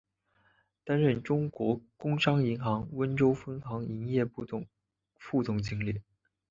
担任中国工商银行温州分行营业部副总经理。